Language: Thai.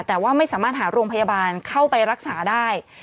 แต่ว่าไม่สามารถหาโรงพยาบาลเข้าไปรักษาได้